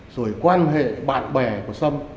rồi quan hệ bạn bè của sâm